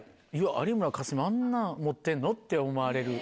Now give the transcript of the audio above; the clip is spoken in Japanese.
「有村架純あんなん持ってんの？」って思われる。